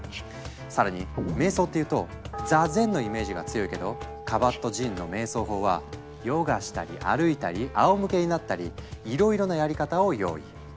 更に瞑想っていうと「座禅」のイメージが強いけどカバットジンの瞑想法はヨガしたり歩いたりあおむけになったりいろいろなやり方を用意。